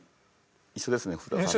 一緒ですね古田さん。